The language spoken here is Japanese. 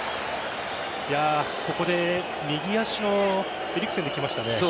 ここで右足のエリクセンできましたね。